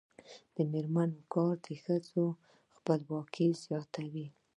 د میرمنو کار د ښځو خپلواکي زیاتوي.